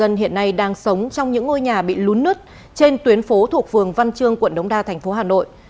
người dân hiện nay đang sống trong những ngôi nhà bị lún nứt trên tuyến phố thuộc vườn văn trương quận đống đa tp hà nội